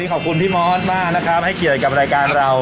ขอบคุณพี่มอสมากนะครับให้เกียรติกับรายการเรา